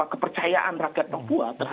kepercayaan rakyat papua